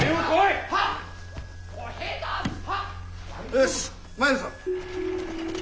よし参るぞ。